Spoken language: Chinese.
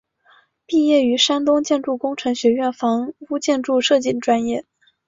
毕业于山东建筑工程学院房屋建筑设计专业。